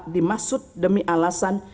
dimaksud demi alasan